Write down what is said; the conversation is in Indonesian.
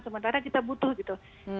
sementara kita butuh gitu